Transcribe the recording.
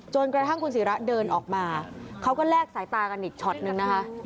กระทั่งคุณศิระเดินออกมาเขาก็แลกสายตากันอีกช็อตนึงนะคะ